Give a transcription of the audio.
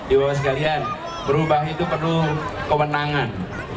ibu ibu sekalian perubahan itu perlu kewenangan